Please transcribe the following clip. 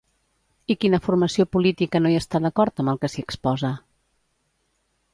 I quina formació política no hi està d'acord amb el que s'hi exposa?